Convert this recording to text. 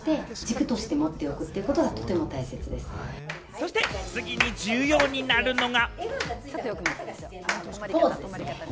そして次に重要になるのが。